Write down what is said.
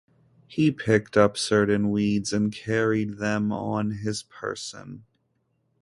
He picked up certain weeds and carried them on his person.